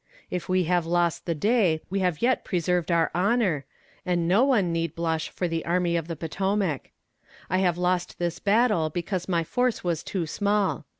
If we have lost the day, we have yet preserved our honor, and no one need blush for the Army of the Potomac. I have lost this battle because my force was too small.